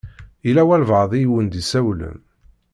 Yella walebɛaḍ i wen-d-isawlen.